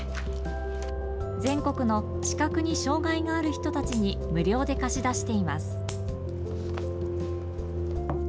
全国の視覚に障害がある人たちに無料で貸し出しています。